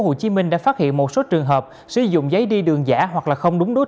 hồ chí minh đã phát hiện một số trường hợp sử dụng giấy đi đường giả hoặc là không đúng đối